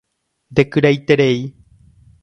Ndekyraiterei.